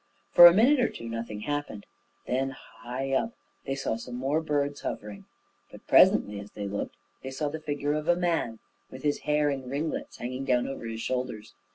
For a minute or two nothing happened, and then, high up, they saw some more birds hovering; but presently, as they looked, they saw the figure of a man, with his hair in ringlets hanging down over his shoulders.